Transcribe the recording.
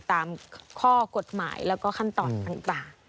ตามข้อกฎหมายแล้วก็ขั้นตอนต่าง